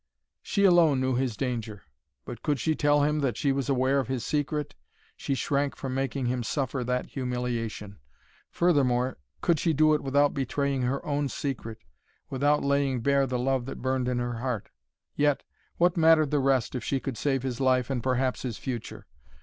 She alone knew his danger. But could she tell him that she was aware of his secret? She shrank from making him suffer that humiliation. Furthermore, could she do it without betraying her own secret, without laying bare the love that burned in her heart? Yet what mattered the rest if she could save his life and, perhaps, his future?